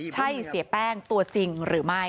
ใช่เสียแป้งตัวจริงหรือไม่